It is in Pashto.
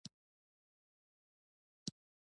کله چې افغانستان کې ولسواکي وي بیرغ رپیږي.